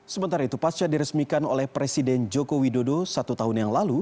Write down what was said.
sementara itu pasca diresmikan oleh presiden joko widodo satu tahun yang lalu